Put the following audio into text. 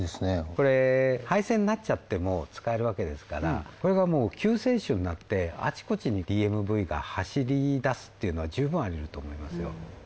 これ廃線になっちゃっても使えるわけですからこれがもう救世主になってあちこちにＤＭＶが走りだすというのは十分あり得ると思いますよ